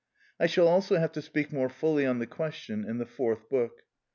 I shall also have to speak more fully on the question in the Fourth Book.